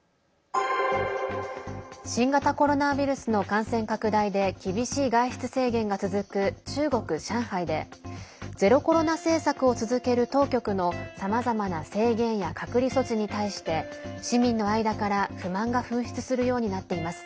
新型コロナウイルスの感染拡大で厳しい外出制限が続く中国・上海でゼロコロナ政策を続ける当局のさまざまな制限や隔離措置に対して市民の間から不満が噴出するようになっています。